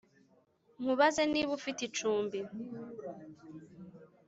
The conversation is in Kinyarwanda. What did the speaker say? nkubaze niba ufite icumbi